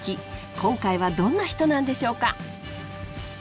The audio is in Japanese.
今回はどんな人なんでしょうか？